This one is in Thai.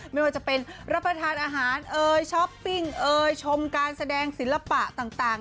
ไม่ว่าจะเป็นรับประทานอาหารเอ่ยช้อปปิ้งเอ่ยชมการแสดงศิลปะต่าง